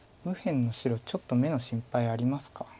右辺の白ちょっと眼の心配ありますか。